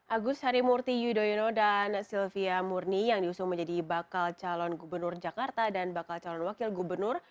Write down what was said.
agus harimurti yudhoyono dan silvia murni yang diusung menjadi bakal calon gubernur jakarta dan bakal calon wakil gubernur